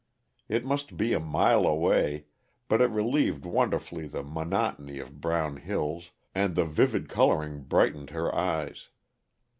It must be a mile away, but it relieved wonderfully the monotony of brown hills, and the vivid coloring brightened her eyes.